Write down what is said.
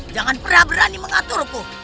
jangan pernah berani mengaturku